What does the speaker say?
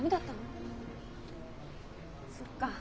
そっか。